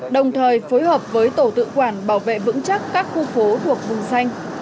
đồng thời phối hợp với tổ tự quản bảo vệ vững chắc các khu phố thuộc vùng xanh